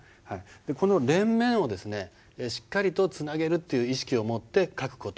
この連綿をしっかりとつなげるという意識を持って書く事。